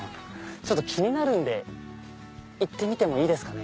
ちょっと気になるんで行ってみてもいいですかね？